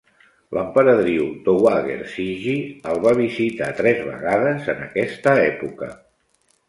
L'emperadriu Dowager Cixi el va visitar tres vegades en aquesta època.